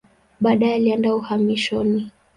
Baadaye alienda uhamishoni.